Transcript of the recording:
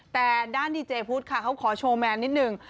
แต่ด้านดีเจพุทธค่ะเขาขอโชว์แมนนิดนึง